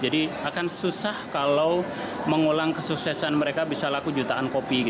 jadi akan susah kalau mengulang kesuksesan mereka bisa laku jutaan kopi